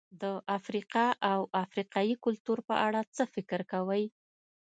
د افریقا او افریقایي کلتور په اړه څه فکر کوئ؟